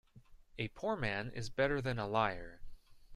A poor man is better than a liar.